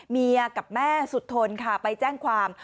แม่กับแม่สุดทนค่ะไปแจ้งความ